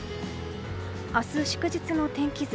明日、祝日の天気図。